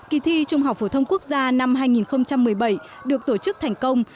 kỳ thi trung học phổ thông quốc gia năm hai nghìn một mươi bảy được tổ chức thành công